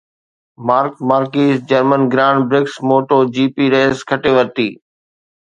mark Marquez German grand prix moto G P race کٽي ورتي